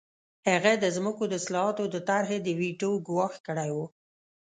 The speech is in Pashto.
هغه د ځمکو د اصلاحاتو د طرحې د ویټو ګواښ کړی و